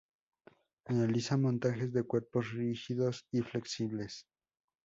Analiza montajes de cuerpos rígidos y flexibles.